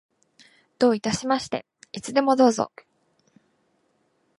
どういたしまして。いつでもどうぞ。